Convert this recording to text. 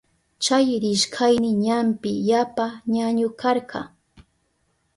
Chay rishkayni ñampi yapa ñañu karka.